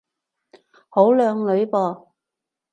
好靚女噃